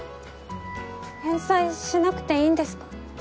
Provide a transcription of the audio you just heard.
返済しなくていいんですか？